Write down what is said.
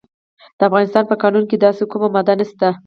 د افغانستان په قانون کې داسې کومه ماده نشته.